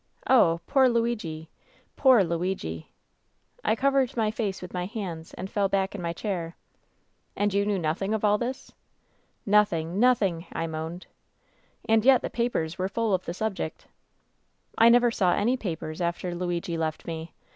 Oh, poor Luigi ! Poor Luigi !' I covered my face with my hands and fell back in my chair. " 'And you knew nothing of all this V " 'Nothing, nothing !' I moaned. " 'And yet the papers were full of the subject.' " 'I never saw any papers after Luigi left me.